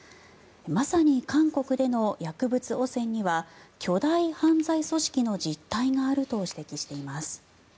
まさに韓国での薬物汚染には巨大犯罪組織の実態があると指摘しています。